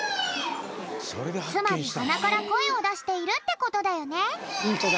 つまりはなからこえをだしているってことだよね。